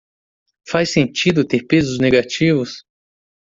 Faz sentido ter pesos negativos?